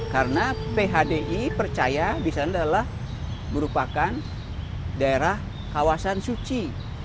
karena phdi percaya di sana adalah merupakan daerah kawasan suci